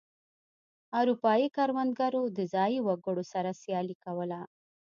اروپايي کروندګرو د ځايي وګړو سره سیالي کوله.